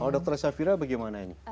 kalau dokter shafira bagaimana ini